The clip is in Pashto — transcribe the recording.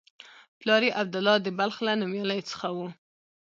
پلار یې عبدالله د بلخ له نومیالیو څخه و.